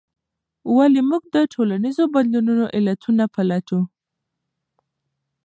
ولې موږ د ټولنیزو بدلونونو علتونه پلټو؟